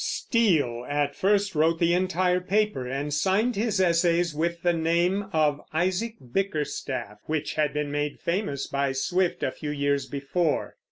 Steele at first wrote the entire paper and signed his essays with the name of Isaac Bickerstaff, which had been made famous by Swift a few years before.